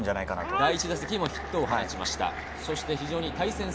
第１打席にもヒットを放ちました。